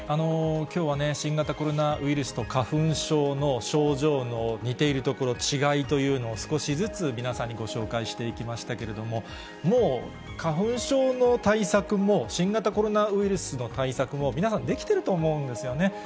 きょうはね、新型コロナウイルスと花粉症の症状の似ているところ、違いというのを少しずつ皆さんにご紹介していきましたけれども、もう、花粉症の対策も、新型コロナウイルスの対策も皆さん、できてると思うんですよね。